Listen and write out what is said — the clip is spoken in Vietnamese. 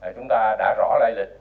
chúng ta đã rõ lại lịch